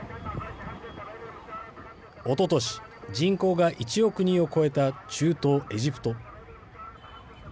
おととし、人口が１億人を超えた中東エジプト。